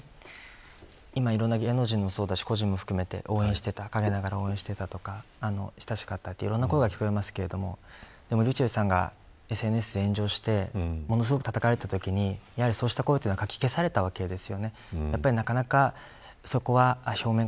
同時に今、いろんな芸能人もそうだし個人も含めて応援していた陰ながら応援していた親しかったといういろいろな声が聞こえますがｒｙｕｃｈｅｌｌさんがＳＮＳで炎上してものすごくたたかれていたときにやはりそういった声がかき消されたわけです。